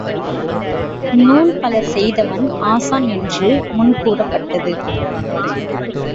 நூல்பல செய்தவன் ஆசான் என்று முன் கூறப்பட்டது.